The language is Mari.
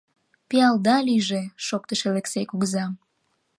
— Пиалда лийже! — шоктыш Элексей кугыза.